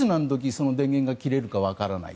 その電源が切れるかわからない。